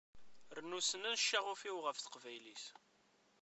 Rnu snen ccaɣuf-iw ɣef teqbaylit.